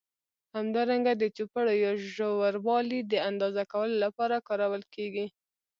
همدارنګه د چوړپو یا ژوروالي د اندازه کولو له پاره کارول کېږي.